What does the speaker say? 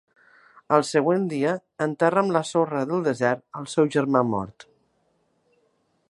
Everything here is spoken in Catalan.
Al següent dia, enterra amb la sorra del desert al seu germà mort.